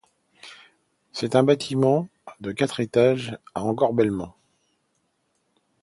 C'est un bâtiment de quatre étages à encorbellement.